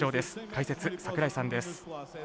解説、櫻井さんです。